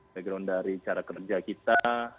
background dari cara kerja kita